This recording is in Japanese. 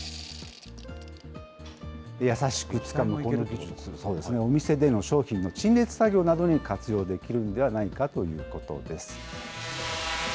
優しくつかむこの技術、お店での商品の陳列作業などに活用できるんではないかということです。